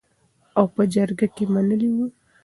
او په جرګه کې منلې وو .